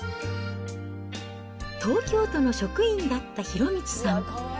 東京都の職員だった博道さん。